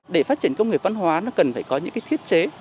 để phát triển công nghiệp văn hóa nó cần phải có những thiết chế